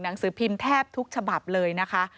หนังสือพิมพ์แทบทุกฉบับเลยนะคะ